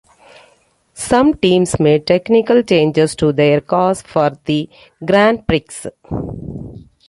Some teams made technical changes to their cars for the Grand Prix.